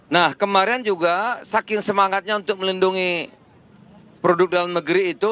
nah kemarin juga saking semangatnya untuk melindungi produk dalam negeri itu